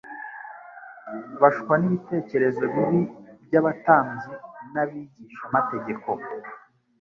bashukwa n'ibitekerezo bibi by'abatambyi n'abigishamategeko.